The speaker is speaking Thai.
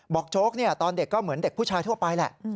โจ๊กตอนเด็กก็เหมือนเด็กผู้ชายทั่วไปแหละ